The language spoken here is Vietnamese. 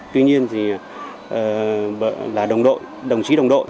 tuy nhiên thì là đồng đội đồng chí đồng đội